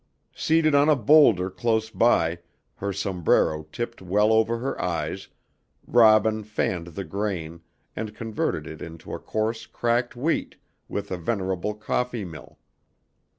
Seated on a boulder close by, her sombrero tipped well over her eyes, Robin fanned the grain, and converted it into a coarse cracked wheat with a venerable coffee mill.